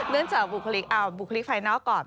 เนื่องจากบุคลิกเอาบุคลิกภายนอกก่อน